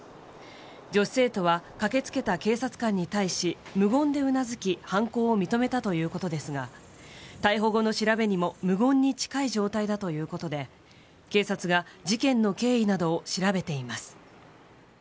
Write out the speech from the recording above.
女子生徒は駆けつけた警察官に対し無言でうなずき犯行を認めたということですが逮捕後の調べにも無言に近い状態だということで警察が事件の経緯などを調べています。